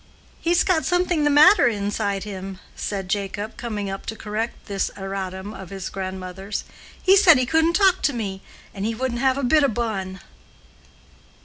"He's got something the matter inside him," said Jacob, coming up to correct this erratum of his grandmother's. "He said he couldn't talk to me, and he wouldn't have a bit o' bun."